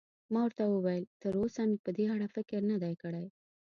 ما ورته وویل: تراوسه مې په دې اړه فکر نه دی کړی.